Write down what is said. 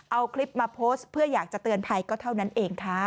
เอาคลิปมาโพสต์เพื่ออยากจะเตือนภัยก็เท่านั้นเองค่ะ